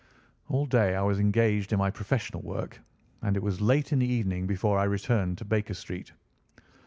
All day I was engaged in my professional work, and it was late in the evening before I returned to Baker Street.